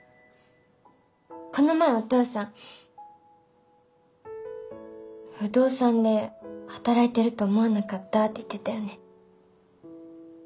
この前お父さん「不動産で働いていると思わなかった」って言ってたよね。